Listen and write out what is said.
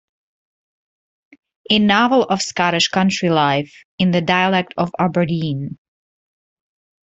A novel of Scottish country life, in the dialect of Aberdeen.